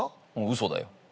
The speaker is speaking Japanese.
嘘だよ。